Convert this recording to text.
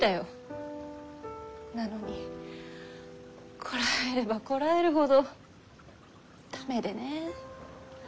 なのにこらえればこらえるほど駄目でね。